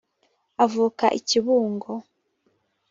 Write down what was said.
avuka i kibungo.